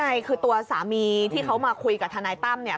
ใช่คือตัวสามีที่เขามาคุยกับทนายตั้มเนี่ย